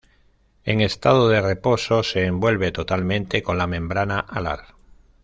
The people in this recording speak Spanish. En estado de reposo se envuelve totalmente con la membrana alar.